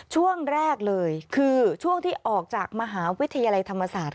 ช่วงแรกเลยคือช่วงที่ออกจากมหาวิทยาลัยธรรมศาสตร์